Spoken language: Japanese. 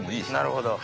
なるほど。